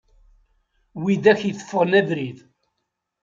Widak i teffɣen abrid.